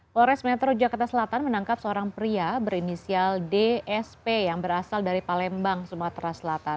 polres metro jakarta selatan menangkap seorang pria berinisial dsp yang berasal dari palembang sumatera selatan